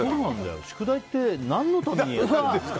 宿題って何のためにやってるんだろう。